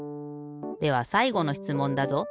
ではさいごのしつもんだぞ。